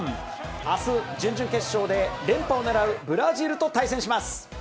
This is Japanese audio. あす、準々決勝で連覇を狙うブラジルと対戦します。